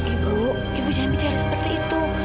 ibu ibu jangan bicara seperti itu